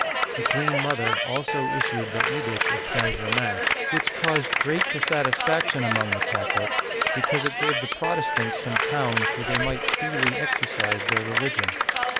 The queen mother also issued the Edict of St. Germain, which caused great dissatisfaction among the Catholics, because it gave the Protestants some towns where they might freely exercise their religion.